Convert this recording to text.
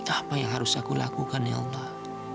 apa yang harus aku lakukan ya allah